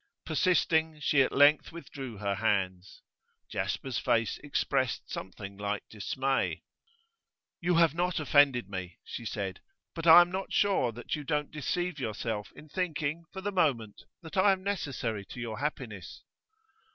Persisting, she at length withdrew her hands. Jasper's face expressed something like dismay. 'You have not offended me,' she said. 'But I am not sure that you don't deceive yourself in thinking, for the moment, that I am necessary to your happiness.